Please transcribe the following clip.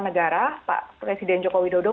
negara pak presiden joko widodo